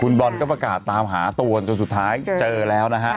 คุณบอลก็ประกาศตามหาตัวจนสุดท้ายเจอแล้วนะฮะ